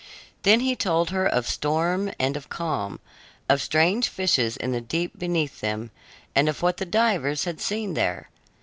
Then he told her of storm and of calm, of strange fishes in the deep beneath them, and of what the divers had seen there.